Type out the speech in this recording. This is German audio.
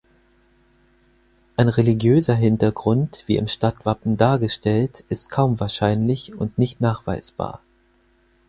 Ein religiöser Hintergrund, wie im Stadtwappen dargestellt, ist kaum wahrscheinlich und nicht nachweisbar.